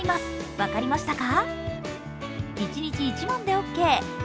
分かりましたか？